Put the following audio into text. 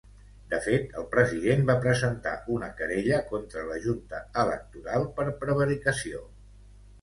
De fet, el president va presentar una querella contra la junta electoral per prevaricació.